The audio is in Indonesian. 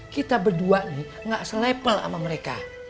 kita berdua nih gak se level sama mereka